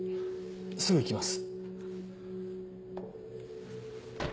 すぐ行きます。